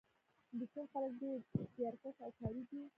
د چین خلک ډېر زیارکښ او کاري دي.